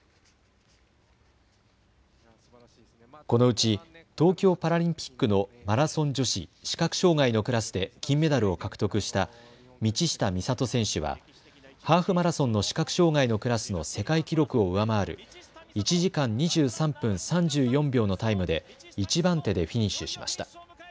このうち東京パラリンピックのマラソン女子視覚障害のクラスで金メダルを獲得した道下美里選手はハーフマラソンの視覚障害のクラスの世界記録を上回る１時間２３分３４秒のタイムで１番手でフィニッシュしました。